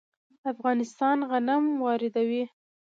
افغانستان غنم واردوي.